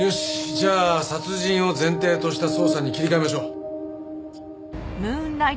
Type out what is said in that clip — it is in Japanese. じゃあ殺人を前提とした捜査に切り替えましょう。